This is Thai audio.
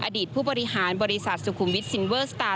อดีตผู้บริหารบริษัทสุขุมวิทซินเวอร์สตาร์